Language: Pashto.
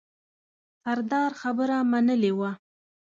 سردار خبره منلې وه.